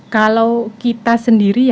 kalau kita sendiri ya